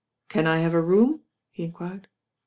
"Can I have a room?" he enquired.